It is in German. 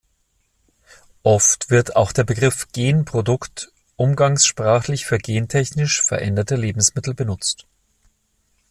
Oft wird auch der Begriff "Genprodukt" umgangssprachlich für gentechnisch veränderte Lebensmittel benutzt.